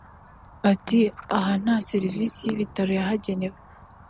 Ati” Aha nta serivisi y’ibitaro yahagenewe